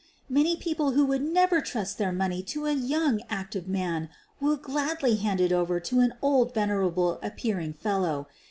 Many people who would never trust their money to a young, active man will gladly hand it over to an old, venerable appearing fellow.